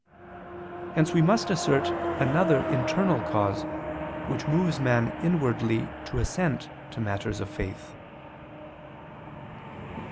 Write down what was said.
Hence we must assert another internal cause, which moves man inwardly to assent to matters of faith.